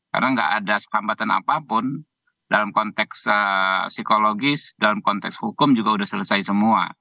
karena gak ada kesempatan apapun dalam konteks psikologis dalam konteks hukum juga sudah selesai semua